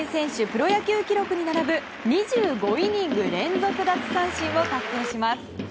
プロ野球記録に並ぶ２５イニング連続奪三振を達成します。